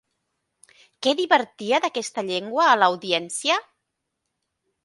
Què divertia d'aquesta llengua a l'audiència?